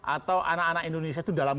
atau anak anak indonesia itu dalam